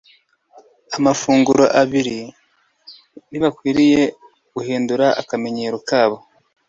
amafunguro abiri ntibakwiriye guhindura akamenyero kabo